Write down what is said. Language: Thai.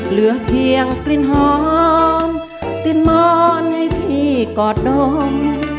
เหลือเพียงกลิ่นหอมกลิ่นมอนให้พี่กอดนม